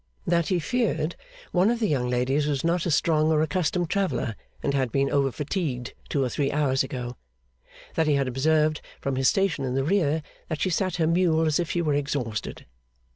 That he feared one of the young ladies was not a strong or accustomed traveller, and had been over fatigued two or three hours ago. That he had observed, from his station in the rear, that she sat her mule as if she were exhausted.